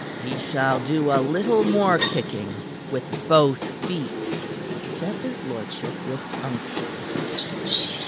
"He shall do a little more kicking with both feet," said his lordship with unction.